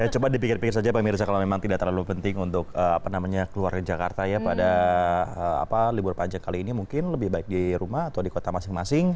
coba dipikir pikir saja pak mirza kalau memang tidak terlalu penting untuk keluar ke jakarta ya pada libur panjang kali ini mungkin lebih baik di rumah atau di kota masing masing